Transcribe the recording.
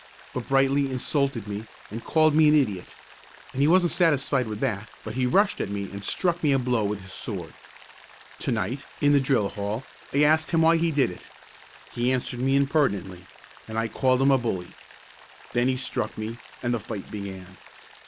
But Brightly insulted me, and called me an idiot; and he wasn't satisfied with that, but he rushed at me and struck me a blow with his sword. To night, in the drill hall, I asked him why he did it. He answered me impertinently, and I called him a bully. Then he struck me, and the fight began.